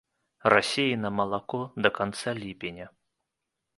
Расіі на малако да канца ліпеня.